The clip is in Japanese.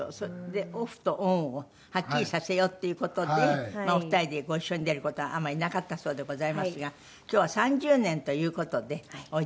オフとオンをはっきりさせようっていう事でお二人でご一緒に出る事はあまりなかったそうでございますが今日は３０年という事でおいでいただきました。